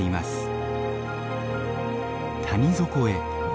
谷底へ。